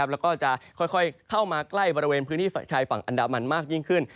แล้วก็จะค่อยเข้ามาใกล้บริเวณพื้นที่ชายฝั่งอันดามันมากยิ่งขึ้น